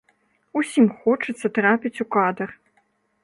Усім хочацца трапіць у кадр.